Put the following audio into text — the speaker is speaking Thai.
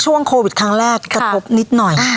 ช่วงโควิดครั้งแรกกระทบนิดหน่อย